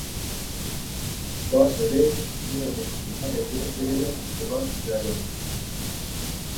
Baş e lê hûn ê min bi tenê bihêlin li van çiyayan?